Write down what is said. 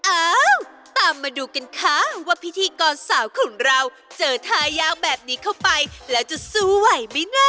อ้าวตามมาดูกันค่ะว่าพิธีกรสาวของเราเจอทายาวแบบนี้เข้าไปแล้วจะสู้ไหวไหมนะ